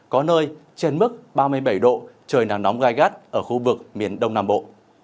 có nơi trên mức ba mươi bảy độ trời nắng nóng gai gắt ở khu vực miền đông nam bộ